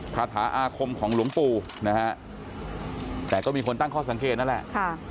คาถาอาคมของหลวงปู่นะฮะแต่ก็มีคนตั้งข้อสังเกตนั่นแหละ